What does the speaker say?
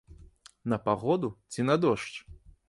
На пагоду ці на дождж?